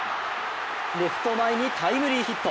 レフト前にタイムリーヒット。